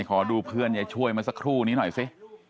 ขอดูเพื่อนยายช่วยมาสักครู่นี้หน่อยสิ